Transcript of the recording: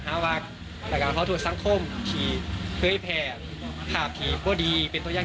ห้าที่แต่ตัวย่างที่ปกดี